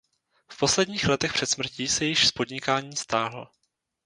V posledních letech před smrtí se již z podnikání stáhl.